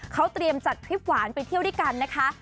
เขาเตรียมจัดทริปหวานไปเที่ยวด้วยกันนะคะ